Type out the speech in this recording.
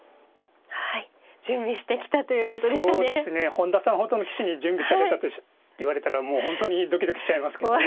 本田さんほどの棋士に準備されたと言われたらもう本当にドキドキしちゃいますけどね。